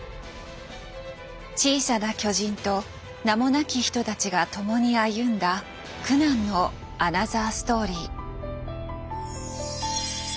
「小さな巨人」と名もなき人たちが共に歩んだ苦難のアナザーストーリー。